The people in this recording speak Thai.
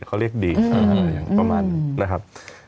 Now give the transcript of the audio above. เขาเรียกดีดนะครับ